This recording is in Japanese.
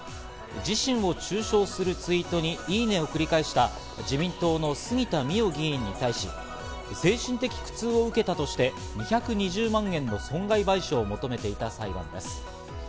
自身を中傷するツイートに「いいね」を繰り返した自民党の杉田水脈議員に対し、精神的苦痛を受けたとして２２０万円の損害賠償を求めていた裁判です。